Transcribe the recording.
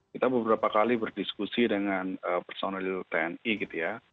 kita beberapa kali berdiskusi dengan personil tni gitu ya